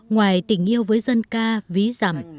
ngoài tình yêu với dân ca ví dặm